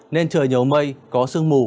nên trời nhấu mây có sương mù